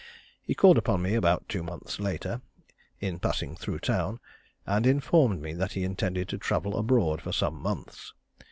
He called upon me about two months later, in passing through town, and informed me that he intended to travel abroad for some months.